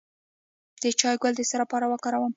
د چای ګل د څه لپاره وکاروم؟